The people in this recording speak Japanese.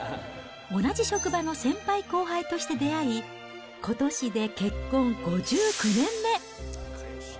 同じ職場の先輩後輩として出会い、ことしで結婚５９年目。